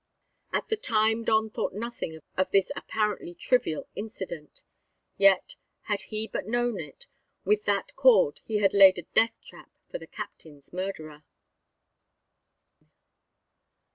At the time Don thought nothing of this apparently trivial incident; yet, had he but known it, with that cord he had laid a death trap for the captain's murderer.